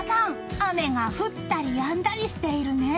雨が降ったりやんだりしているね。